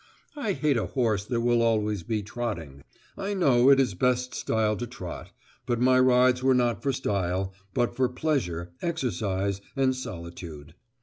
I hate a horse that will always be trotting. I know it is best style to trot; but my rides were not for style, but for pleasure, exercise, and solitude.